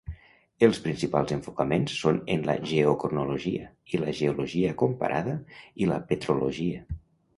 Els principals enfocaments són en la geocronologia, la geologia comparada i la petrologia.